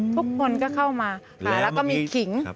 ทุกคนก็เข้ามาแล้วก็มีขิง